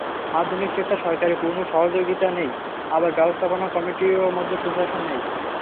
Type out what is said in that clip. মাধ্যমিক শিক্ষায় সরকারের পূর্ণ সহযোগিতা নেই, আবার ব্যবস্থাপনা কমিটির মধ্যে সুশাসন নেই।